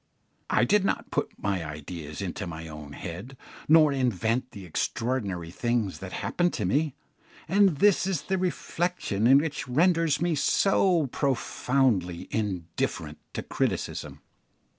I did not put my ideas into my own head, nor invent the extraordinary things that happen to me, and this is the reflection which renders me so profoundly indifferent to criticism.